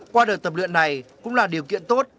qua đời tập luyện này cũng là điều kiện tốt